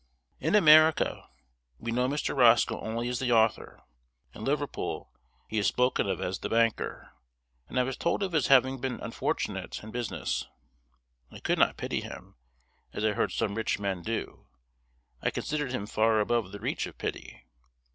In America, we know Mr. Roscoe only as the author; in Liverpool he is spoken of as the banker; and I was told of his having been unfortunate in business. I could not pity him, as I heard some rich men do. I considered him far above the reach of pity.